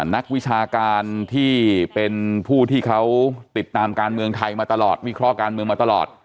นักวิชาการที่เป็นผู้ที่เขาติดตามการเมืองไทยมาตลอดวิเคราะห์การเมืองมาตลอด